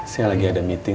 saya lagi ada meeting